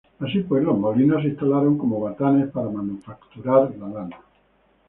Así pues, los molinos se instalaron como batanes para manufacturar la lana.